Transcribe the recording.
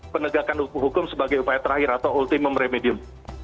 penegakan hukum sebagai upaya terakhir atau ultimum remedium